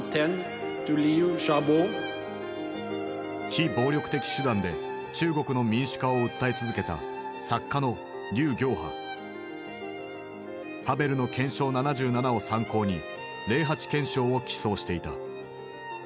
非暴力的手段で中国の民主化を訴え続けたハヴェルの「憲章７７」を参考に「零八憲章」を起草していた。